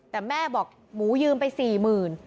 แต่แม่บอกหมูยืมไป๔หมื่น